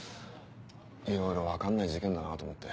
いろいろ分かんない事件だなと思って。